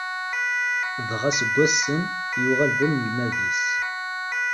Dɣa seg wass-n yuɣal d anelmad-is.